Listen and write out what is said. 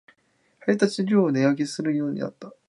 配達料を値上げするようになった